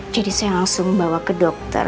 jadi saya langsung bawa ke dokter